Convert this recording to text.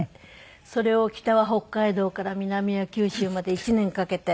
それを北は北海道から南は九州まで１年かけて。